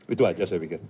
itu aja saya pikir